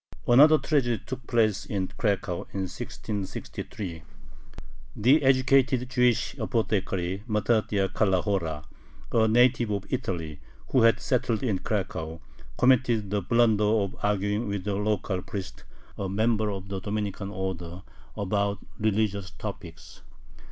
Another tragedy took place in Cracow, in 1663. The educated Jewish apothecary Mattathiah Calahora, a native of Italy who had settled in Cracow, committed the blunder of arguing with a local priest, a member of the Dominican order, about religious topics.